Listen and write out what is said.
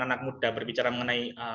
anak muda berbicara mengenai